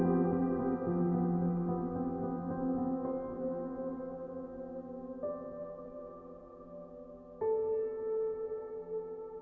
เพื่อเก่งใจสัยติธรรมเห็นความอายุ